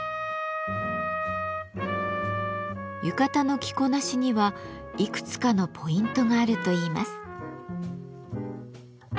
浴衣の着こなしにはいくつかのポイントがあるといいます。